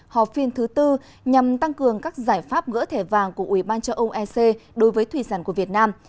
họp phiên thứ tư nhằm tăng cường các giải pháp gỡ thẻ vàng của uban cho âu ec đối với thủy sản của việt nam